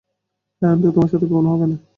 এমনটা তোমার সাথে কখনো হবে না।